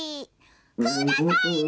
「くださいな」。